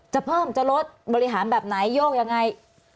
จะเพิ่มจะลดบริหารแบบไหนโยกยังไง